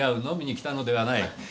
飲みに来たのではない。